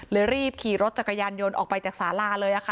รีบขี่รถจักรยานยนต์ออกไปจากสาลาเลยค่ะ